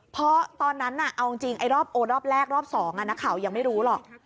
เพราะตอนนั้นเอาจริงไอ้รอบโอรอบแรกรอบ๒นักข่าวยังไม่รู้หรอก